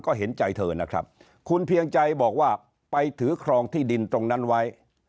ก็เห็นใจเธอนะครับคุณเพียงใจบอกว่าไปถือครองที่ดินตรงนั้นไว้